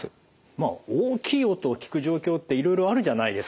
まあ大きい音を聞く状況っていろいろあるじゃないですか。